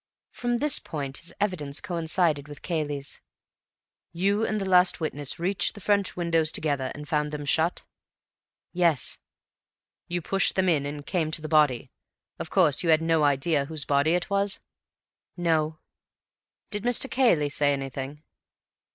From this point his evidence coincided with Cayley's. "You and the last witness reached the French windows together and found them shut?" "Yes." "You pushed them in and came to the body. Of course you had no idea whose body it was?" "No." "Did Mr. Cayley say anything?"